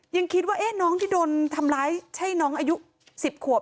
ยังคิดว่าน้องที่โดนทำร้ายใช่น้องอายุ๑๐ขวบ